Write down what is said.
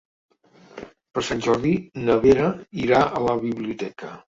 Per Sant Jordi na Vera irà a la biblioteca.